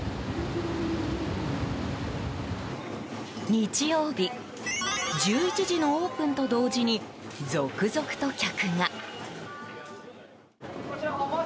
日曜日１１時のオープンと同時に続々と客が。